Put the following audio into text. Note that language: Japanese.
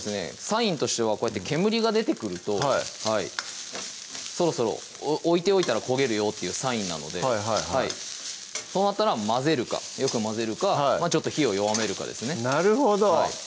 サインとしてはこうやって煙が出てくるとそろそろ置いておいたら焦げるよっていうサインなのでそうなったらよく混ぜるかちょっと火を弱めるかですねなるほど！